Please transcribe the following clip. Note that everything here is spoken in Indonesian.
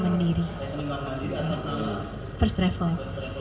yang terima di atas nama first travel